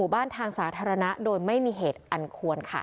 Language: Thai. สาธารณะโดยไม่มีเหตุอันควรค่ะ